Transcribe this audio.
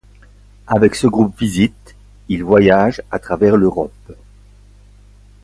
Avec ce groupe visites il voyage à travers l'Europe.